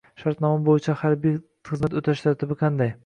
Shartnoma bo‘yicha harbiy xizmat o‘tash tartibi qanday?